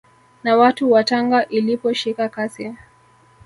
Na watu wa Tanga iliposhika kasi